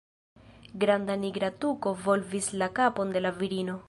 Granda nigra tuko volvis la kapon de la virino.